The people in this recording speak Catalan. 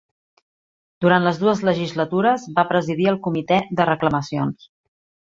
Durant les dues legislatures, va presidir el Comitè de Reclamacions.